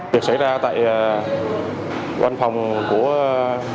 việc xảy ra tại văn phòng của nhân viên